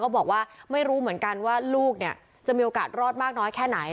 บอกว่าไม่รู้เหมือนกันว่าลูกเนี่ยจะมีโอกาสรอดมากน้อยแค่ไหน